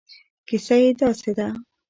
کیسه یې داسې ده.